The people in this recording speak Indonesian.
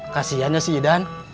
kasiannya sih idan